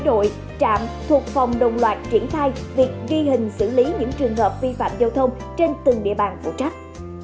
một mươi bảy đội trạm thuộc phòng đồng loạt triển khai việc ghi hình xử lý những trường hợp vi phạm giao thông trên từng địa bàn phụ trách